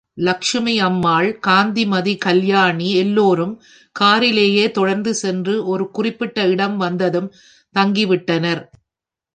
லட்சுமி அம்மாள், காந்திமதி கல்யாணி எல்லோரும் காரிலேயே தொடர்ந்து சென்று ஒரு குறிப்பிட்ட இடம் வந்ததும் தங்கி விட்டனர்.